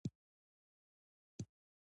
افغانستان کې د جلګه د پرمختګ هڅې روانې دي.